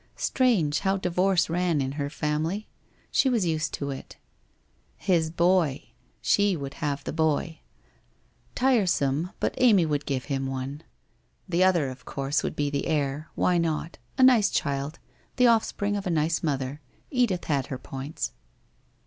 ... Strange, how di vorce ran in her family! She was used to it. ... Hia boy! She would have the boy. ... Tiresome, but Amy would give him one. The other, of course, would be the heir. Why not ? A nice child, the offspring of a nice mother. Edith had her points.